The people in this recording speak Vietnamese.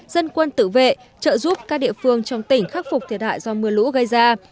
dân quân tự vệ trợ giúp các địa phương trong tỉnh khắc phục thiệt hại do mưa lũ gây ra